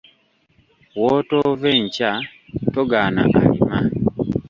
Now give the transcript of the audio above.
Wootoove nkya, togaana alima.